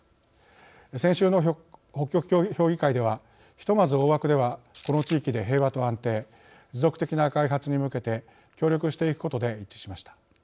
先週の北極評議会ではひとまず大枠ではこの地域で平和と安定持続的な開発に向けて協力していくことで一致しました。